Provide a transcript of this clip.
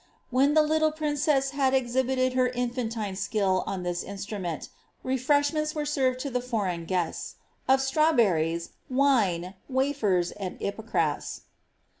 When the little princess had exhibited her in&ntine skill on this instni toeat, refreshments were served to the foreign guests, of stnwberriea, viae, wafers, and ypocras.